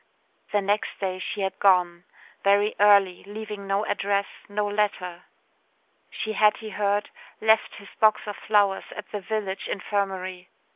The next day she had gone very early, leaving no address, no letter. She had, he heard, left his box of flowers at the village infirmary.